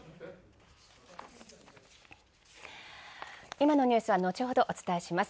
今のニュースはのちほど、お伝えします。